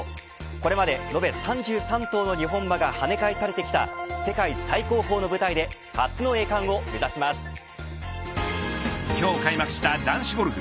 これまで延べ３３頭の日本馬が跳ね返されてきた世界最高峰の舞台で今日開幕した男子ゴルフ